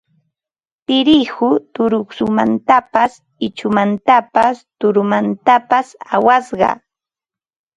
Tirihu turuqsumantapas ichumantapas tuturamantapas awasqa